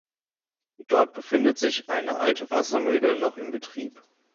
Dort befindet sich eine alte Wassermühle noch im Betrieb.